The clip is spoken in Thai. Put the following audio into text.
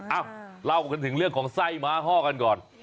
เอ้าเล่ากันถึงเรื่องของไส้ม้าห้อกันก่อน